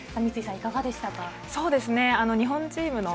いかがでしたか？